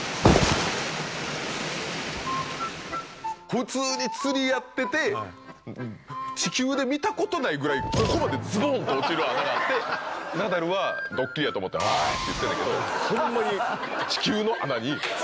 普通に釣りやってて地球で見たことないぐらいここまでズドンって落ちる穴があってナダルはドッキリだと思って「おい！」って言ってんねんけどホンマに地球の穴に。